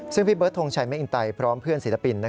ซึ่งพี่เบิร์ดทงชัยแม่อินไตพร้อมเพื่อนศิลปิน